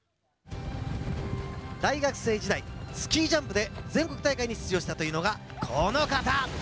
大学生時代、スキージャンプで全国大会に出場したというのがこの方。